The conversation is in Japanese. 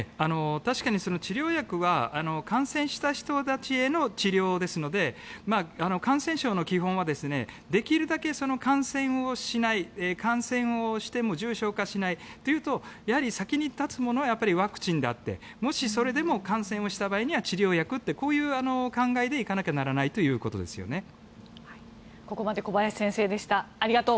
確かに治療薬は感染した人たちへの治療ですので感染症の基本はできるだけ感染をしない感染をしても重症化しないというとやはり先に立つものはワクチンであってもしそれでも感染をした場合には治療薬というこういう考えで行かなきゃならないということですね。